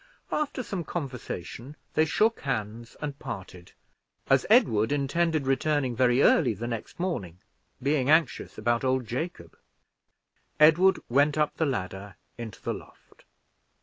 After some conversation, they shook hands and parted, as Edward intended returning very early the next morning, being anxious about old Jacob. Edward went up the ladder into the loft.